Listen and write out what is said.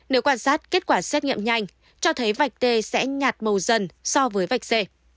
nếu quan sát kết quả xét nghiệm nhanh cho thấy vạch t sẽ nhạt màu dần so với vạch c